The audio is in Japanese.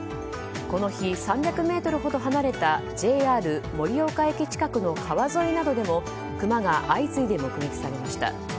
この日、３００ｍほど離れたＪＲ盛岡駅近くの川沿いなどでもクマが相次いで目撃されました。